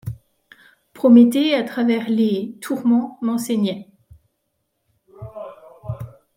Prométhée, à travers les, tourments, m’enseignait ;